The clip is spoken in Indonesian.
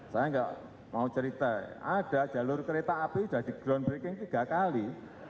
saya nggak mau cerita ada jalur kereta api sudah di groundbreaking tiga kali